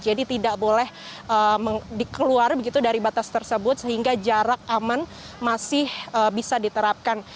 jadi tidak boleh dikeluar begitu dari batas tersebut sehingga jarak aman masih bisa diterapkan